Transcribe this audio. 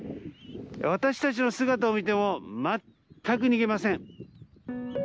私たちの姿を見てもまったく逃げません。